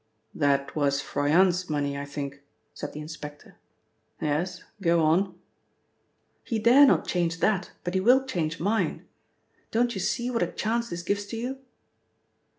"That was Froyant's money, I think," said the inspector. "Yes, go on." "He dare not change that, but he will change mine. Don't you see what a chance this gives to you?"